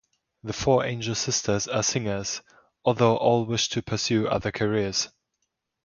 The four Angel sisters are singers, although all wish to pursue other careers.